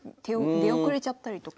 出遅れちゃったりとか。